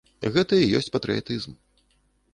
Гэта і ёсць патрыятызм.